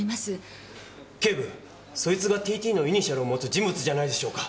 警部そいつがＴ．Ｔのイニシャルを持つ人物じゃないでしょうか。